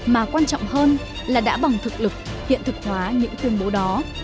mà quan trọng hơn là đã bằng thực lực hiện thực hóa những tuyên bố đó